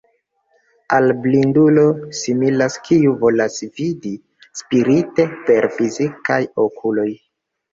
Al blindulo similas kiu volas vidi spirite per fizikaj okuloj.